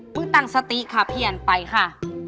มึงตั้งสติค่ะเพียรไปค่ะ